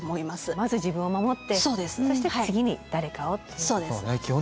まず自分を守ってそして次に誰かを。